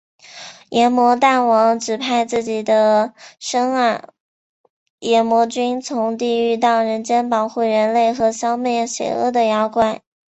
阎魔大王指派自己的甥儿炎魔君从地狱到人界保护人类和消灭邪恶的妖怪。